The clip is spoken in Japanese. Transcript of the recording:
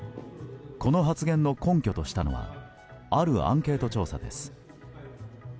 この発言の根拠としたのはあるアンケート調査です。